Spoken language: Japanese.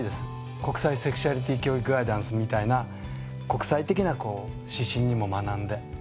「国際セクシュアリティ教育ガイダンス」みたいな国際的な指針にも学んで。